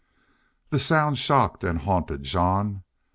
The sound shocked and haunted Jean.